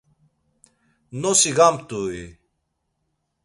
Nosi gamt̆u-i?